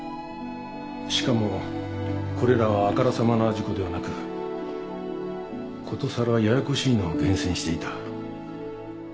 しかもこれらはあからさまな事故ではなくことさらややこしいのを厳選していた。